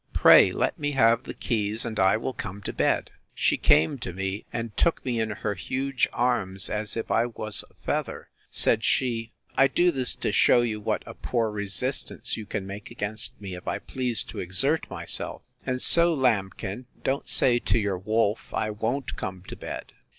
Pray let me have the keys, and I will come to bed. She came to me, and took me in her huge arms, as if I was a feather: Said she, I do this to shew you what a poor resistance you can make against me, if I please to exert myself; and so, lambkin, don't say to your wolf, I won't come to bed!